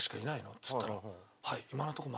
っつったら。